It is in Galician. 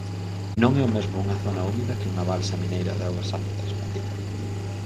Non é o mesmo unha zona húmida que unha balsa mineira de augas ácidas, matiza.